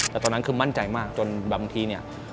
แต่ตอนนั้นคือมั่นใจมากจนบางทีเนี่ย